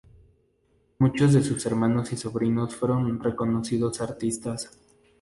Muchos de su hermanos y sobrinos fueron reconocidos artistas.